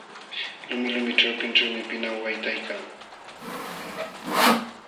Lumilumi ćhapinćhuumi pinaw waytaykan.